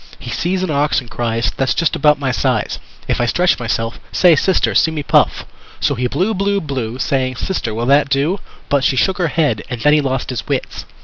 He sees an ox and cries: "That's just about my size, If I stretch myself Say Sister, see me puff!" So he blew, blew, blew, Saying: "Sister, will that do?" But she shook her head. And then he lost his wits.